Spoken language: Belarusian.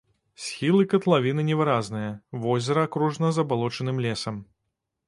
Схілы катлавіны невыразныя, возера акружана забалочаным лесам.